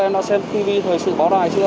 em đã xem tv thời sự báo đài chưa